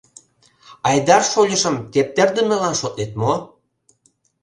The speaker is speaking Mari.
Айдар шольычым тептердымылан шотлет мо?